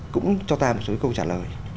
cũng cho ta một số câu trả lời